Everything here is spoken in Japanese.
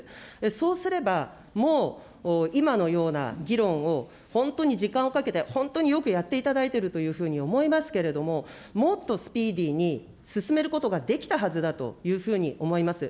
そうすれば、もう今のような議論を本当に時間をかけて、本当によくやっていただいているというふうに思いますけれども、もっとスピーディーに進めることができたはずだというふうに思います。